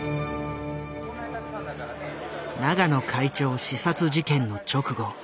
永野会長刺殺事件の直後